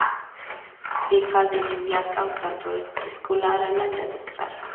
دې کانال د نیویارک او سانفرانسیسکو لاره لنډه کړه.